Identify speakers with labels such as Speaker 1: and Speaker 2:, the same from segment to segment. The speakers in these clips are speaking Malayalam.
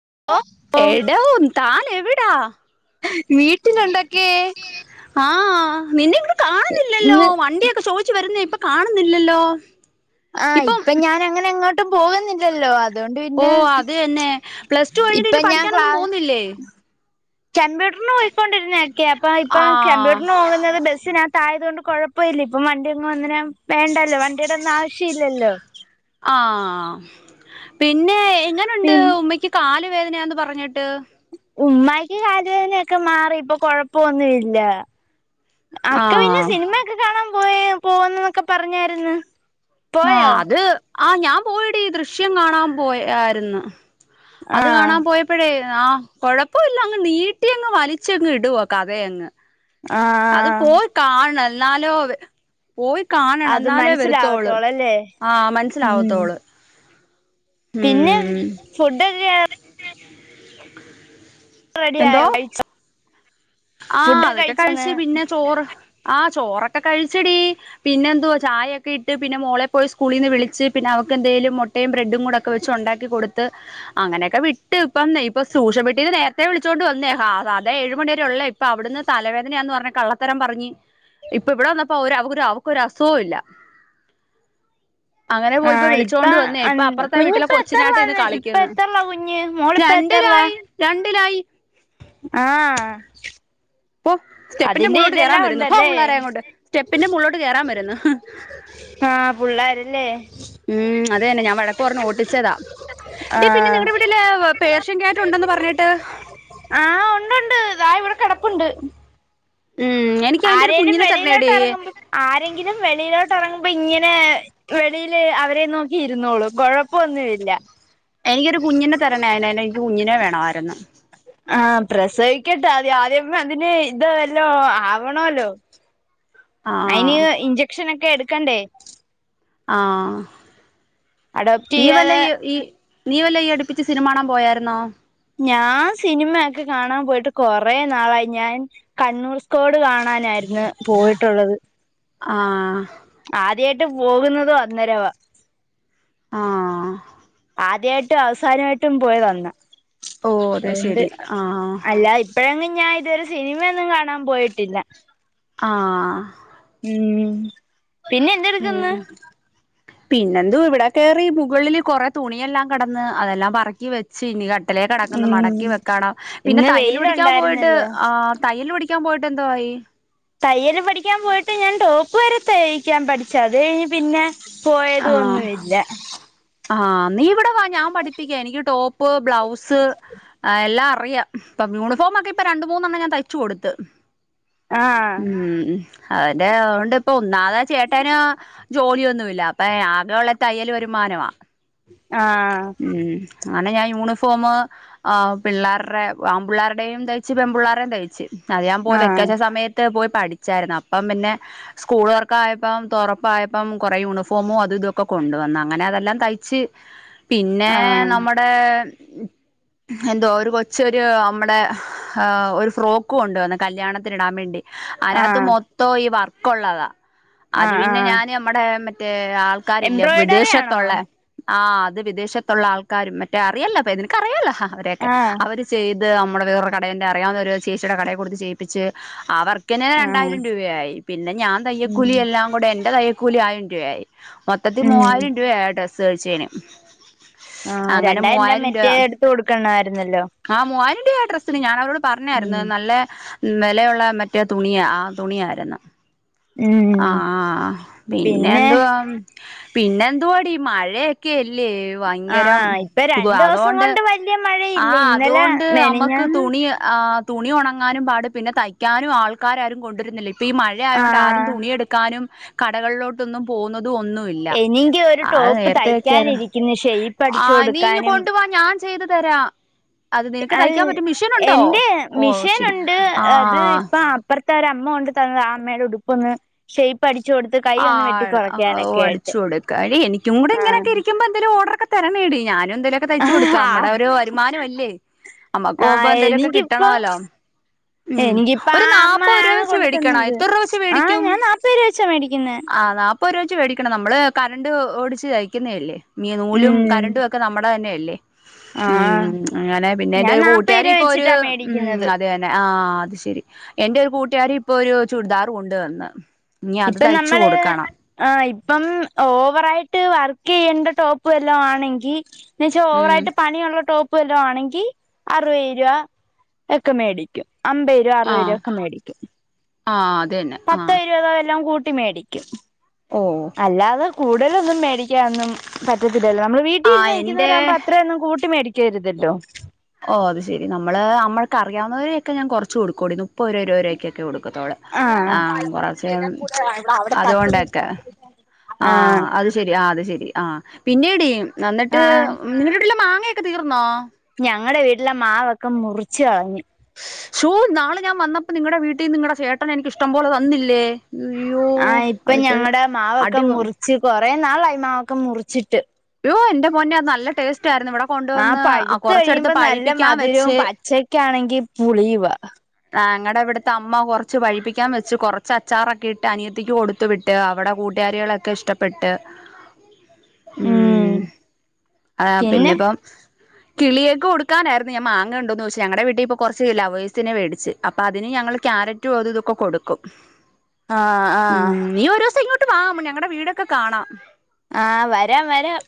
Speaker 1: [unintelligible] ഓ എടൊ താൻ എവിടാ
Speaker 2: വീട്ടിലുണ്ടൊക്കെ
Speaker 1: [unintelligible] ആഹ നിന്നെ ഇവിടെ കാണുന്നില്ലല്ലോ
Speaker 2: ഇന്ന്
Speaker 1: വണ്ടിയൊക്കെ ചോദിച്ചു വരുന്ന ഇപ്പൊ കാണുന്നില്ലല്ലോ?
Speaker 2: ആഹ്
Speaker 1: ഇപ്പം
Speaker 2: ഇപ്പൊ ഞാൻ അങ്ങനെ അങ്ങോട്ടും പോകുന്നില്ലല്ലോ അത് അതുകൊണ്ട്
Speaker 1: ഓ
Speaker 2: പിന്നെ
Speaker 1: അത് തന്നെ പ്ലസ് ടു കഴിഞ്ഞിട്ട്
Speaker 2: ഇപ്പൊ
Speaker 1: ഇനി
Speaker 2: ഞാൻ ക്ല
Speaker 1: പഠിക്കാനൊന്നും പോകുന്നില്ലേ
Speaker 2: [unintelligible] കമ്പ്യൂട്ടറിന് പോയിക്കൊണ്ടിരുന്ന കമ്പ്യൂട്ടറിനു പോയി കൊണ്ടിരുന്നാക്കെ അപ്പൊ യിപ്പൊ
Speaker 1: ആഹ്
Speaker 2: കമ്പ്യൂട്ടറിന് പോകുന്നത് ബസ്സിനകത്ത് ആയതുകൊണ്ട് കുഴപ്പമ ഇല്ല ഇപ്പൊ വണ്ടി ഒന്നും വേണ്ടല്ലോ വണ്ടിയട ഒന്നും ആവശ്യ ഇല്ലല്ലോ
Speaker 1: ആ ഹ്മ് പിന്നെ എങ്ങനുണ്ട്
Speaker 2: പി
Speaker 1: ഉമ്മക്ക് കാല് വേദനന്ന് പറഞ്ഞിട്ട്
Speaker 2: ഉമ്മായിക്ക് കാലുവേദനയൊക്കെ മാറി ഇപ്പൊ കൊഴപ്പൊന്നു ഇല്ല അക്ക പിന്നെ
Speaker 1: ആഹ്
Speaker 2: സിനിമയൊക്കെ കാണാൻ പോയി പോന്നന്നൊക്കെ പറഞ്ഞായിരുന്നു
Speaker 1: ആഹ
Speaker 2: പോയോ
Speaker 1: അത് ആ ഞാൻ പോയെടി ദൃശ്യം കാണാൻ പോയരുന്നു
Speaker 2: ആ
Speaker 1: അത് കാണാൻ പോയപ്പോഴേ ആഹ് കുഴപ്പല്ല, അങ്ങ് നീട്ടി അങ്ങ് വലിച്ചങ്ങ് ഇടുവ കഥയങ്ങു
Speaker 2: ആ
Speaker 1: അത് പോയ് കാണ് ന്നാലോ പോയി കാണണം
Speaker 2: അത്
Speaker 1: ന്നാലേ വരുത്തോള്
Speaker 2: മനസ്സിലാവത്തോളല്ലേ
Speaker 1: ആ
Speaker 2: ഉം
Speaker 1: മനസ്സിലാവത്തോള്
Speaker 2: പിന്നെ
Speaker 1: ഉം
Speaker 2: ഫുഡ്‌ [unintelligible]
Speaker 1: [inaudible]
Speaker 2: റെഡിയായോ കഴിച്ചോ
Speaker 1: ആ അതൊക്കെ കഴിച്ച് പിന്നെ ചോറ് ആ ചോറൊക്കെ കഴിച്ചടി പിന്നെ എന്തുവാ ചായയൊക്കെ ഇട്ട് പിന്നെ മോളെ പോയി സ്കൂളിന്ന് വിളിച്ച് പിന്നെ ന്തേലും മുട്ടയും ബ്രെഡും കൂടെഒ ക്കെ വെച്ച് ഒണ്ടാക്കി കൊടുത്ത് അങ്ങനെയൊക്കെ വിട്ട് ഇപ്പം--ട്യൂഷൻ ഇത് നേരത്തെ വിളിചോണ്ട് വന്നേ സാധ ഏഴു മണി ള്ളെ പ്പ വിടുന്ന് തലവേദനയാന്ന് പറഞ് കള്ളത്തരം പറഞ്ഞി ഇപ്പ ഇവിടെ വന്നപ്പോ ഒര് അവോരു അവോക്കൊരു അവക്കൊര് അസുഖോംല്ല
Speaker 2: ആ
Speaker 1: അങ്ങനെപോയിപ്പോ
Speaker 2: ഇപ്പ
Speaker 1: വിളിച്ചോണ്ട് വന്നയ ഇപ്പൊ അപ്പുറത്തെ വീട്ടില
Speaker 2: കുഞ്ഞിപ്പ
Speaker 1: കൊച്ചിനായിട്ട് ഇരുന്ന്
Speaker 2: എത്തറിലാന്ന് ഇപ്പ
Speaker 1: കളിക്ക്ന്ന്
Speaker 2: എത്തറിലാ കുഞ്ഞ്
Speaker 1: [unintelligible]
Speaker 2: മോളിപ്പ എത്തറിലാ
Speaker 1: ണ്ടിലായി രണ്ടിലായി
Speaker 2: ആ [unintelligible]
Speaker 1: പോ സ്റ്റെപ്പിന്റെ
Speaker 2: അതിന്റെ
Speaker 1: മോള്ളോ ട്ട് കേറാൻ
Speaker 2: ഇതെല്ലാം
Speaker 1: വരുന്നു പ്പോ
Speaker 2: ഉണ്ടല്ലേ
Speaker 1: പിള്ളാരെങ്ങോട്ട് സ്റ്റെപ്പിന്റെ മോൾലോട്ട് കേറാൻ വരുന്ന് [unintelligible]
Speaker 2: ആ പുള്ളേരല്ലേ
Speaker 1: ഉം അതെന്നെ ഞാൻ വഴക്ക് പർഞ് ഓട്ടിച്ചതാ.
Speaker 2: ആ
Speaker 1: ടീ പിന്നെ നിങ്ങടെവീട്ടില് പേർഷ്യൻ കാറ്റ് ഉണ്ടെന്ന് പറഞ്ഞേട്ട്.
Speaker 2: ആ ഉണ്ടുണ്ട് ദാ ഇവിടെ കിടപ്പുണ്ട്.
Speaker 1: ഉം എനിക്ക് അതിന്റെ ഒരു
Speaker 2: ആരേലും
Speaker 1: കുഞ്ഞിനെ തരണേടി
Speaker 2: വെളിയിലോട്ടെ റങ്ങുമ്പോ ആരെങ്കിലും വെളിയിലോട്ടെറങ്ങുമ്പോ ഇങ്ങനെ. വെളീല് അവരെ നോക്കി ഇരുന്നോളും കൊഴപ്പൊന്നു ഇല്ല.
Speaker 1: എനിക്കൊരു കുഞ്ഞിനെ തരണേ ആയിനനെൻക് കുഞ്ഞിനെ വേണായ്ര്ന്ന്.
Speaker 2: ആ പ്രസവിക്കട്ടെ ആദ്യം ആദ്യം അതിന് ഇത് വല്ലോ ആവണല്ലോ. അയിന്
Speaker 1: ആഹ്
Speaker 2: ഇഞ്ചക്ഷനൊക്കെ എടുക്കണ്ടേ?
Speaker 1: ആ
Speaker 2: അഡോപ്റ്റ്
Speaker 1: നീ വല്ല
Speaker 2: ചെയ്യാതെ
Speaker 1: നീ വല്ല ഈ അടുപ്പിച്ച സിനിമാകാണാൻ പോയാര്ന്നോ?
Speaker 2: ഞാൻ സിനിമയൊക്കെ കാണാൻ പോയിട്ട് കൊറേ നാളായി ഞാൻ കണ്ണൂർ സ്കോട് കാണാനായിരുന്ന് പോയിട്ടുള്ളത്.
Speaker 1: ആ.
Speaker 2: ആദ്യായിട്ട് പോകുന്നതും അന്നേരവ.
Speaker 1: ആ.
Speaker 2: ആദ്യായിട്ടും അവസാനായിട്ടും പോയി വന്ന.
Speaker 1: ഓ അത്
Speaker 2: ണ്ട്
Speaker 1: ശെരി ആഹ്
Speaker 2: അല്ലാ ഇപ്പഴങ്ങ്. ഞാഇതുവരെ സിനിമയൊന്നും കാണാപോയിട്ടില്ല.
Speaker 1: ആ.
Speaker 2: പിന്നെ എന്തെടുക്കന്ന്?
Speaker 1: പിന്നെന്തു ഇവിടെ കേറി മുകളില് കൊറെ തുണിയെല്ലാം കെടന്ന് അതെല്ലാം പറക്കി വെച്ച് ഇനി ലെ കെടക്ന്ന്
Speaker 2: ഉം
Speaker 1: മടക്കിവെക്കാണം. പിന്ന
Speaker 2: ഇന്ന്
Speaker 1: തയ്യൽ പഠിക്കാപോയിട്ട്
Speaker 2: വെയിലുണ്ടായിരുന്നല്ലോ
Speaker 1: ആ തയ്യൽ പഠി ക പോയിട്ടെന്തുവായി?
Speaker 2: തയ്യൽ പഠിക്കാൻ പോയിട്ട് ഞാൻ ടോപ്പ് വരെ തയ്ക്കാൻ പഠിച്ചു അത് കഴിഞ്ഞ് പിന്നെ പോയതും ഒന്നുയില്ല.
Speaker 1: ആ നീ ഇവിടെ വാ ഞാൻ പഠിപ്പിക്കാം എനിക്ക് ടോപ്പ് ബ്ലൗസ് എല്ലാം ഫ്രീയ ഇപ്പം യൂണിഫോമൊക്കെ ഇപ്പ രണ്ട് മൂന്നെണ്ണം ഞാൻ തയ്ച്ചു കൊടുത്ത്.
Speaker 2: ആഹ്
Speaker 1: ഉം. അതന്റെ അവോണ്ട്പ്പൊ ഒന്നാമത് ആ ചേട്ടന് ജോലിയൊന്നുല്ല. അപ്പൊ ആകെയുള്ള തയ്യല് ഒരു വാ.
Speaker 2: ആ.
Speaker 1: അന്നെ ഞായൂണിഫോമ് അ പിള്ളാര്ടെ ആമ്പിള്ളാരുടെയും തയ്ച്ച് പെൺപിള്ളേരുേയും തയ്ച്ച്. അത് ഞാൻ പോയി
Speaker 2: ആഹ്
Speaker 1: വക്കേശ സമയ പോയി പടിചാർന്ന്. അപ്പ പിന്നെ സ്കൂൾതൊർക്ക് ആയപ്പോ തുറപ്പായപ്പം കുറേ യൂണിഫോമും അതുതു. ഒക്ക കൊണ്ട് വന്ന് അങ്ങനെ അതെല്ലാം തയ്ച്ച് പിന്നെ
Speaker 2: ആഹ്
Speaker 1: നമ്മടെ. എന്തോ ഒരു കൊച്ചൊരു അമ്മടെ ആഹ് ഒരു ഫ്രോക്ക് കൊണ്ട് വന്ന് കല്യാണത്തിന് ഇടാൻ മേണ്ടി അയിനാത്ത്
Speaker 2: ആഹ്
Speaker 1: മൊത്തോം ഈ വർക്കുള്ളതാ അത്
Speaker 2: ആഹ്
Speaker 1: പിന്നെ
Speaker 2: ആഹ്
Speaker 1: ഞാന് അമ്മടെ മറ്റേ ആൾക്കാരില്ലേ
Speaker 2: എംബ്രോയ്ഡറി ആണോ
Speaker 1: വിദേശത്തുള്ളെ ആഹ് അത് വിദേശത്തുള്ള ആൾക്കാരും മറ്റേ അറിയല്ലോ അപ്പൊ നിനക്ക് അറിയല്ലോ അവരെയൊക്കെ,
Speaker 2: ആഹ്
Speaker 1: അവര് ചെയ് ത് അമ്മടെ വേറൊരു കടയ്ണ്ട് അറിയാവുന്നൊര് ചേച്ചിയുടെ കടെ കൊടുത്ത് ചെയ്യിപ്പിച്ച് ആ വർ ഇന്ക്കന്നെ
Speaker 2: ആഹ്
Speaker 1: രണ്ടായിരം രൂപയായി, പിന്നെ ഞാൻ
Speaker 2: ഉം
Speaker 1: തയ്യൽക്കൂലി എല്ലാം കൂടെ എന്റെ തയ്യൽക്കൂലി ആയിരം രൂപയായി. മൊത്തത്തിൽ
Speaker 2: ഉം
Speaker 1: മൂവായിരം രൂപയായി ആ ഡ്രസ്സ് തയ്ച്ചേന്.
Speaker 2: ആഹ്
Speaker 1: അങ്ങനെ
Speaker 2: രണ്ടായിരം രൂപ
Speaker 1: മൂവായിരം രൂവാ
Speaker 2: മറ്റേ എടുത്ത് കൊടുക്കണമായിരുന്നല്ലോ
Speaker 1: ആഹ് മൂവായിരം [unintelligible] ഡ്രസ്സിന് ഞാനവളോട്
Speaker 2: ഉം
Speaker 1: പറഞ്ഞായിര്ന്ന് നല്ല വെലയുള്ള മറ്റെ മറ്റേ തുണിയ ആ തുണിയായിരുന്നു
Speaker 2: ഉം
Speaker 1: ആഹ്, ആഹ്
Speaker 2: പിന്നെ
Speaker 1: പിന്നെന്തുവാ പിന്നെ എന്തുവാടി, മഴയൊക്കെ അല്ലേ
Speaker 2: ആഹ് ഇപ്പൊ
Speaker 1: വയങ്കരംതുവ
Speaker 2: രണ്ടു ദിവസം
Speaker 1: അതുകൊണ്ട്
Speaker 2: കൊണ്ട് വലിയ
Speaker 1: ആ
Speaker 2: മഴയില്ല ഇന്നലെ
Speaker 1: അതുകൊണ്ട് നമ്മക്ക്
Speaker 2: മെനഞ്ഞാന്ന്
Speaker 1: തു തുണി ആഹ് തുണി ഉണങ്ങാനും പാട് പിന്നെ തയ്ക്കാനും ആൾക്കാരാരും കൊണ്ടരുന്നില്ല ഇ ഇപ്പ ഈ മഴയോണ്ട് ആരും
Speaker 2: ആഹ്
Speaker 1: തുണിയെടുക്കാനും കടകളിലോട്ടൊന്നും പോകുന്ന ഇടു ഒന്നുവില്ല
Speaker 2: എനിക്ക് ഒരു
Speaker 1: അത്
Speaker 2: ടോപ്പ്
Speaker 1: നേരത്തെ ആക്കിയാലും,
Speaker 2: തയ്ക്കാനിരിക്കുന്നു ഷെയ്പ്പ് അടിച്ചു
Speaker 1: ആഹ് നീ ഇങ്ങ്
Speaker 2: കൊടുക്കാനും
Speaker 1: കൊണ്ടുവാ ഞാൻ ചെയ്ത് തരാ അത് നിനക്ക്
Speaker 2: അൽ
Speaker 1: തയ്ക്കാൻ പറ്റും മിഷീനുണ്ടോ?
Speaker 2: എന്റെ
Speaker 1: ഓഹ് ശെരി, ആഹ്
Speaker 2: പ്പാ അപ്പർത്തെ ഒരമ്മ കൊണ്ട് തന്നതാ ആ അമ്മേടെ ഉടുപ്പൊന്ന് ഷേപടിച്ച് കൊടുത്ത്
Speaker 1: ആ
Speaker 2: കയ്യൊന്ന് വെട്ടി
Speaker 1: ഓ
Speaker 2: കുറയ്ക്കാനായിട്ട്.
Speaker 1: അടിച്ചു കൊടുക്ക എടി എനിക്കൂടെങ്ങനെയൊക്ക ഇരിക്കുമ്പോ എന്തേലും ഓഡറൊക്കെ തരണേടി ഞാനും എന്തേലൊക്കെ തയ്ച്ച് കൊടുക്കാം, നമ്മുടെ ഒരു വരുമാനമല്ലേ, നമ്മക്കൊവുമ്പോ
Speaker 2: ആഹ്
Speaker 1: എന്തേലൊക്കെ
Speaker 2: എനിക്കിപ്പ
Speaker 1: കിട്ടണല്ലോ
Speaker 2: എനിക്കിപ്പ ആഹ് അമ്മാ ആണ് കൊണ്ട്
Speaker 1: മേടിക്കണം
Speaker 2: തന്നത്.
Speaker 1: എത്ര രൂപ വെച്ച്
Speaker 2: ആഹ്
Speaker 1: മേടിക്കും
Speaker 2: ഞാൻ നാല്പ്ത് രൂപ വെച്ചാ മേടി ഇരിക്കുന്നെ
Speaker 1: ഇപ്പൊ [unintelligible] വേടിക്കണം നമ്മള് കറണ്ട് ഓടിച്ച് തയ്ക്കുന്നെ അല്ലേ ഈ നൂലും
Speaker 2: ഉം
Speaker 1: കറണ്ടും ഒക്കെ നമ്മുടെ തന്നെ [inaudible] മ്
Speaker 2: ആഹ്
Speaker 1: അങ്ങനെ പിന്നെ
Speaker 2: ഞാൻ
Speaker 1: എന്റൊരു
Speaker 2: നാപ്പത്
Speaker 1: കൂട്ടാരി
Speaker 2: രൂപ
Speaker 1: ഇപ്പൊ ഒരു
Speaker 2: വെച്ചിട്ടാ
Speaker 1: മ്
Speaker 2: മേടിക്കുന്നത്
Speaker 1: അതെന്നെ ആഹ് അത് ശരി എന്റെ ഒരു കൂട്ട് കാരി ഇപ്പൊ ഒരു ചുരിദാറ് കൊണ്ട്തന്ന് ഇനി അത്
Speaker 2: ഇപ്പം
Speaker 1: തയ് -
Speaker 2: നമ്മള് മ് ഇപ്പം ഓവറായിട്ട് വർ ക്കിയ്യണ്ട ടോപ് വല്ലോം ആണെങ്കി എന്നെച്ചാ
Speaker 1: ഉം
Speaker 2: ഓവറായിട്ട് പണിയുള്ള ടോ പ്പ് വല്ലോം ആണെങ്കി അറുവത് രൂപ ഒക്കെ മേടിക്കും അമ്പരൂവ
Speaker 1: ആഹ്
Speaker 2: അറുവരൂവ ഒക്കെ മേടിക്കും
Speaker 1: ആഹ് അഹ്
Speaker 2: പത്തോ ഇരുപതോ വല്ലോം കൂട്ടി മേടിക്കും
Speaker 1: ഓ
Speaker 2: അല്ലാതെ കൂടതലൊന്നും മേടിക്കാനന്നും പറ്റത്തില്ലല്ലോ നമ്മള് വീട്ടി ഇരുന്ന്
Speaker 1: ആഹ് എന്റെ
Speaker 2: നിയ്ക്കുന്നവരാവുമ്പോ അത്രയൊന്നും കൂട്ടി മേടി ക്കരുതല്ലോ
Speaker 1: ഓ അത് ശരി നമ്മള് നമ്മൾക്കറിയാവുന്നവരെയൊക്കെ ഞാൻ കൊറച്ച് കൊടുക്കൂള്ളൂ നുപ്പത് രൂവക്കൊക്കെ കൊടുക്ക ക്കത്തൊള് ആഹ് കൊറച്ച് [unintelligible] ആഹ് അത് ശെരി ആഹ് അത് ശെരി ആ പിന്നെ ഡീ ന്നട്ട് നിന്റെ വിട്ടിലെ മാങ്ങയൊ ക്കെ തീർന്നോ
Speaker 2: ഞങ്ങളടെ വീട്ടിലെ മാവൊക്കെ മുറിച്ച് കളഞ്ഞ്
Speaker 1: ഷോ ന്നാള് ഞാൻ വന്നപ്പോ നിങ്ങടെ വീട്ടിന്ന്‌ നിങ്ങടെ ചേട്ടൻ എനിക്ക് ഇഷ്ടം പോലെ തന്നില്ലേ അയ്യോ
Speaker 2: ആഹ് ഇപ്പൊ
Speaker 1: അതിപ്പോഴും
Speaker 2: ഞങ്ങടെ മാവൊക്കെ
Speaker 1: അടിപൊ
Speaker 2: മുറിച്ച് കൊറേ നാളായി മാവൊക്കെ മുറിച്ചിട്ട്
Speaker 1: ഓ എന്റെ പൊന്നെ അത് നല്ല ടേസ്റ്റ് ആയിരുന്നു ഇവിടെ
Speaker 2: ആ
Speaker 1: കൊണ്ടുവന്ന്
Speaker 2: പഴുത്ത്
Speaker 1: കൊറച്ചെടുത്ത്
Speaker 2: കഴിയുമ്പോ നല്ല
Speaker 1: പഴിപ്പിക്കാൻ
Speaker 2: മധുരവും
Speaker 1: വെച്ച്
Speaker 2: പച്ചക്കാണെങ്കി പുളിയുവാ
Speaker 1: ഞങ്ങടെ ഇവിടുത്തെ അമ്മ കൊറച്ച് പഴിപ്പിക്കാൻ വെച്ച് കൊറച്ച് അച്ചാറൊക്കെ ഇട്ട് അനിയത്തിക്ക് കൊടുത്തു വിട്ട് അവിടെ കൂട്ടാ കാരികളൊക്കെ ഇഷ്ടപ്പെട്ട് ഉം ആഹ്
Speaker 2: പിന്നെ
Speaker 1: പിന്നെപ്പം കിളിയേക്ക് കൊടുക്കാനായിരുന്നു ഞാൻ മാങ്ങ ഉണ്ടോന്ന് ചോയ്ച്ച് ഞങ്ങടെ വീട്ടി ഇപ്പ കൊറച്ച് ലൗവേഴ്സ്നെ വേടി ച്ച് അപ്പൊ അതിന് ഞങ്ങള് ക്യാരറ്റും അതും ഇതൊക്കെ കൊടുക്കും
Speaker 2: ആഹ് ആഹ്
Speaker 1: ട്ട് വാ മ് ഞങ്ങടെ വീടൊക്കെ കാണാം.
Speaker 2: ആഹ് വരാം വരാം.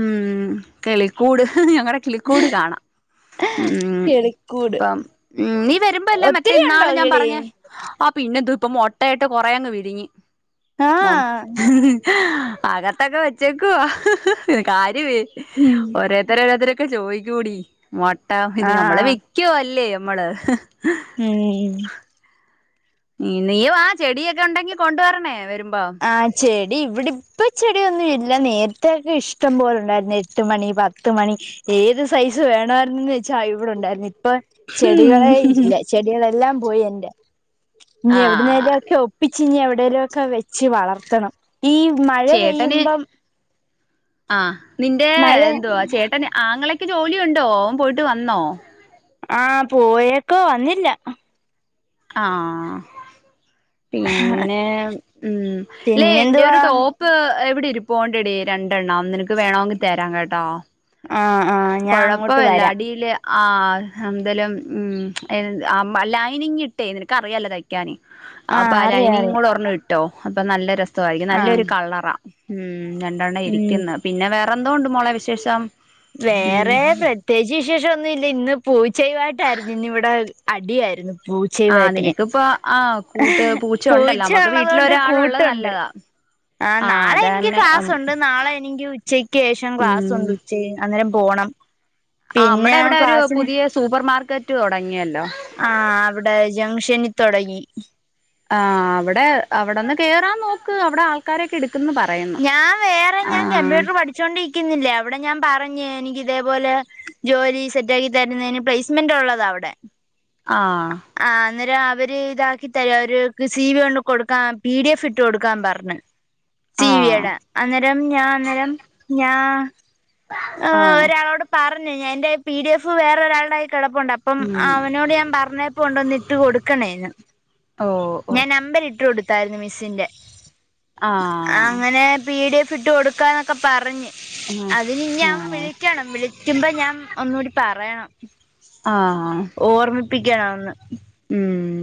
Speaker 1: ഉം കളിക്കൂട്. ഹ് ഞങ്ങടെ കിളിക്കൂട് കാണാം ഉം ഉം
Speaker 2: കിളിക്കൂട്
Speaker 1: ഇപ്പം ഉം നീ. പ്പല്ലേ മറ്റേ
Speaker 2: ഒത്തിരി
Speaker 1: ഇന്നാള്
Speaker 2: ഉണ്ടോ കിളി
Speaker 1: ഞാപറഞ്ഞേ ആ പിന്നെന്ത് പ്പൊ മൊട്ടയിട്ട് കൊറേ ങ്ങ് വിരിഞ്.
Speaker 2: ആ
Speaker 1: മം. അകത്തൊക്കെ വെച്ചേക്കുവ ഹ് ഹ് ഹ് കാര്യമേ
Speaker 2: ഉം
Speaker 1: ഓരോരുത്തര ഓരോരുത്തര. ഒക്കെ ചോയ്ക്കൂടി. മൊട്ടഫിത്
Speaker 2: ആ
Speaker 1: നമ്മളെ വെക്കുവ ല്ലേ മ്മള്.
Speaker 2: ഉം.
Speaker 1: നീ വാ ചെടിയൊക്കെ ഉണ്ടെങ്കി കൊണ്ടുവരണേ വരുമ്
Speaker 2: ആഹ് ചെ. ടി ഇവിടെ ഇപ്പ ചെടിയൊന്നുഇല്ല നേരത്തെക്കെ ഇഷ്ടം പോലുണ്ടായിരുന്ന എട്ട് മണി പത്ത് മണി. ഏത് സൈസ് വേണമായിരുന്ന ചാ ഇവിടുണ്ടായിരുന്നു ഇപ്പൊ ചെടികളെ ഇല്ല ചെടികളെല്ലാം പോയി എന്റെ. ഇനി
Speaker 1: ആഹ്
Speaker 2: എവിടുന്നേലും ഒക്കെ ഒപ്പിച്ച് ഇനി എവിടെേലും ഒക്കെ വെച്ച് വളർത്തണം. ഈ മഴ
Speaker 1: ചേട്ടന്
Speaker 2: പെയ്യുമ്പം
Speaker 1: ആഹ് നിന്റെ
Speaker 2: മഴ
Speaker 1: എന്തുവാ ചേട്ടന് ആങ്ങളെ ക്ക് ജോലിയുണ്ടോ അവൻ പോയിട്ട് വന്നോ
Speaker 2: ആഹ് പോയേക്കാ വന്നില്ല
Speaker 1: ആഹ് പിന്നെ ഉം ല്ലേ എന്റെ ഒരു
Speaker 2: പിന്നെന്തുവാ
Speaker 1: ടോപ്പ് ഇവിടെ ഇരിപ്പൂണ്ടെടി രണ്ടെണ്ണം നിനക്ക് വേണമെങ്കിൽ തരാം കേട്ടോ
Speaker 2: ആഹ് ആഹ് ഞാൻ അങ്ങോട്ട്
Speaker 1: കുഴപ്പവല്ലാ
Speaker 2: വരാം
Speaker 1: അടില് ആ എന്തേലും മം ലൈനിങ് ഇട്ടേ നിനക്കറിയാലോ തയ്ക്കാൻ അപ്പൊ
Speaker 2: ആഹ്
Speaker 1: ആ
Speaker 2: അറിയാം
Speaker 1: ലൈനിങ്
Speaker 2: അറിയാം
Speaker 1: കൂടെ ഒരെണ്ണം ഇട്ടോ അപ്പൊ നല്ല രസാവായ്രിക്കും
Speaker 2: ആഹ്
Speaker 1: നല്ലൊരു കളറാ ഉം ഉം രണ്ടെണ്ണം
Speaker 2: ഉം
Speaker 1: ഇരിക്കുന്ന് പിന്നെ വേറെന്തോ ഉണ്ട് മോളെ വിശേഷം ഉം
Speaker 2: വേറെ പ്രത്യേകിച്ച് വിശേഷം ഒന്നും ഇല്ല ഇന്ന് പോയി ചെയ്‌വായിട്ടായിരുന്നു ഇന്ന് ഇവിടെ അടിയായിരുന്നു
Speaker 1: ആ
Speaker 2: പൂച്ചയുമായിട്ടെ
Speaker 1: നിനക്കിപ്പോ ആ
Speaker 2: ഹെ
Speaker 1: കൂട്ട് ഉണ്ടല്ലോ
Speaker 2: പൂച്ച
Speaker 1: നമ്മുക്ക്
Speaker 2: ഉള്ളത് കൊണ്ട്
Speaker 1: വീട്ടിലൊരാളുള്ളത്
Speaker 2: കൂട്ടുണ്ട്
Speaker 1: നല്ലതാ
Speaker 2: ആ നാളെ എനിക്ക് ക്ലാസ്സുണ്ട് നാളെ എനിക്ക് ഉച്ചയ്ക്കേഷം ക്ലാസ്
Speaker 1: ഉം
Speaker 2: ഉണ്ട് ഉച്ച കഴി അന്നേരം പോണം
Speaker 1: ആ മ്മടെ ഇവിടെ ഒരു
Speaker 2: ക്ലാസ്സിന്
Speaker 1: പുതിയ സൂപ്പർ മാർക്കറ്റ് തുടങ്ങിയല്ലേ
Speaker 2: ആഹ് അവിടെ ജംഗ്ഷനിൽ തൊടങ്ങി
Speaker 1: ആ അവിടെ അവിടെന്ന് കേറാൻ നോക്ക് അവിടെ ആൾക്കാരൊക്കെ എടുക്ക്‌
Speaker 2: ഞാൻ വേറെ ഞാൻ കമ്പ്യൂട്ടർ പഠിച്ചോണ്ടി ക്കുന്നില്ലേ അവിടെ ഞാൻ പറഞ് എനിക്ക് ഇതേപോലെ ജോലി സെറ്റാക്കി തരുന്നതിന് പ്ലേസ്മെന്റ് ഉള്ളതാ കൊടെ
Speaker 1: ആഹ്
Speaker 2: ന്നേരം അവര് ഇതാക്കി തരാ അവര് സി വി കൊണ്ട് കൊടുക്കാ പി ഡി എഫ് ഇട്ട് കൊടുക്കാ പർണ്
Speaker 1: ആഹ്
Speaker 2: സിവിയെടെ അന്നേരം ഞാൻ അന്നേരം ഞാ ആ
Speaker 1: ആഹ്
Speaker 2: ഒരാളോട് പറഞ്ഞു എന്റെ പി ഡി എഫ് വേറെ ഒരാൾടെ കിടപ്പുണ്ട് അപ്പം
Speaker 1: ഉം
Speaker 2: അവനോട് ഞാൻ പറഞ്ട്ട് കൊണ്ടുവന്ന് ഇട്ട് കൊടുക്കണേന്ന്
Speaker 1: ഓ ഓ
Speaker 2: ഞാൻ നമ്പർ ഇട്ട് കൊടുത്തായിരുന്നു മിസ്സിന്റെ
Speaker 1: ആഹ്
Speaker 2: അങ്ങനെ പി ഡി എഫ് ഇട്ട് കൊടുക്കാന്നൊക്കെ പറഞ്ഞു
Speaker 1: ആഹ്
Speaker 2: അതിന് ഞാൻ
Speaker 1: ആഹ്
Speaker 2: വിളിക്കണം വിളിക്കുമ്പോ ഞാൻ ഒന്നൂടി പറയണം
Speaker 1: ആ
Speaker 2: പ്പിക്കണോന്ന്
Speaker 1: ഉം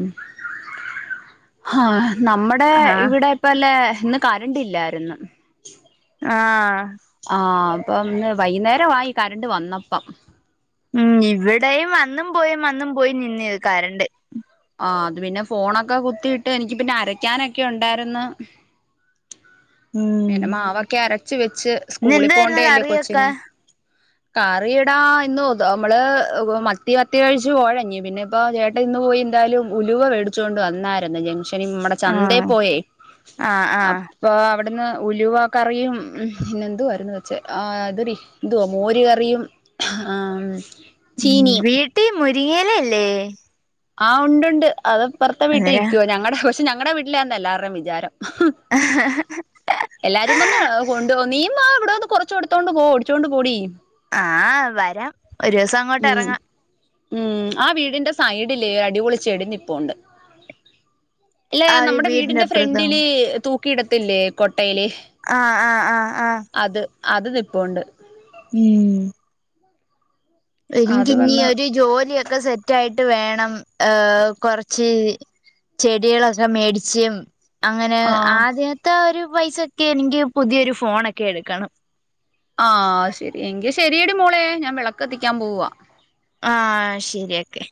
Speaker 1: ആ നമ്മുടെ
Speaker 2: ആ
Speaker 1: ഇവിടെ ഇപ്പല്ലെ ഇന്ന് കരണ്ടില്ലാര്ന്ന്
Speaker 2: ആഹ്
Speaker 1: ആഹാ അപ്പംന്ന് വൈകുന്നേരം- ആയി കരണ്ട് വന്നപ്പം.
Speaker 2: ഉം ഇവിടെയും വന്നും, പോയി, വന്നും- പോയി നിന്നേന്ന്ക്കറണ്ട്.
Speaker 1: ആഹാ അത് പിന്നെ ഫോണൊക്കെ കുത്തിയിട്ട്, എനിക്ക് പിന്നെ അരക്കാനൊക്കെ ഉണ്ടായിന്ന്.
Speaker 2: ഉം
Speaker 1: പിന്നെ മാവക്കെ അരച്ച് വെച്ച്-
Speaker 2: ഇന്ന്
Speaker 1: സ്കൂളിൽ
Speaker 2: എന്തായിരുന്നു
Speaker 1: പോകണ്ടേല്ലേ
Speaker 2: കറിയൊക്കെ
Speaker 1: കൊച്ചിന്. കറിയിടാ ഇന്ന് നമ്മള് മത്തി, മത്തി കഴിച്ചു പോഴഞ്ഞി പിന്നെ ഇപ്പോ- ചേട്ടൻ ഇന്ന് പോയി. എന്തായാലും ഉലുവ മേടിച്ചുകൊണ്ട്- വന്നായിരുന്നു ജംഗ്ഷനിന്നു. നമ്മടെ
Speaker 2: ആ
Speaker 1: ചന്തയി പോയേ
Speaker 2: ആ ആ
Speaker 1: അപ്പോ അവി- അവിടെന്ന് ഉലുവ കറിയും ഉം പിന്നെ എന്തുരുന്നു വെച്ചേ ആഹ് അതറി എന്തുവാ മോര് കറിയും. ആഹ്
Speaker 2: ഉ വീട്ടിൽ മുരിങ്ങയിലല്ലേ?
Speaker 1: ആഹ് ഉണ്ട് ഉണ്ട് അത്പ്പറത്തെ വീട്ടിൽ
Speaker 2: അന്നേരം
Speaker 1: ഇരിക്കുവോ ഞങ്ങളടെ പക്ഷെ ഞങ്ങളടെ വീട്ടില ആന്ന എല്ലാവരുടെേയും വിചാരം. എല്ലാരും വന്ന് കൊണ്ട് പോവും- എന്ന ഇവിടെന്ന് കൊറച്ച് എടു ത്തോണ്ട് പോ ഓടിച്ചോണ്ട് പോടി.
Speaker 2: ആഹ് വരാം ഒരു ദിവസം അങ്ങോട്ട്
Speaker 1: ഉം
Speaker 2: ഇറങ്ങാം.
Speaker 1: ഉം ആഹ് വീടിന്റെ സൈഡില്ലേ അടിപൊളിച്ചെടി നിപ്പുണ്ട്. ഇല്ല
Speaker 2: ആ
Speaker 1: നമ്മുടെ വീടിന്റെ
Speaker 2: അപ്പുറത്തോ
Speaker 1: ഫ്രണ്ടില് തൂക്കിയിടത്തില്ലേ കോട്ടയില്.
Speaker 2: ആ ആ ആ ആ
Speaker 1: അത് അത് നിപ്പുണ്ട്.
Speaker 2: ഉം. എനിക്ക്
Speaker 1: അത്
Speaker 2: ഇനി
Speaker 1: വന്ന്
Speaker 2: ഒരു ജോലിയൊക്കെ സെറ്റ ആയിട്ട്- എന്നിട്ട് വേണം ഏഹ കൊറച്ച്- ചെടികളൊക്കെ മേടിച്ച്- അങ്ങനെ
Speaker 1: ആ
Speaker 2: ആദ്യത്തെ ഒരു പൈസൊക്കെ എനിക്ക് പുതിയ ഒരു ഫോണൊക്കെ എടുക്കണം.
Speaker 1: ആഹാ ശെരി എങ്കി ശരിയടി മോളെ ഞാൻ വിളക്ക് കത്തിക്കാൻ പോവാ.
Speaker 2: ആഹ് ശരിയക്കെ.